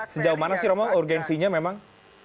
sejauh mana sih romo urgensinya memang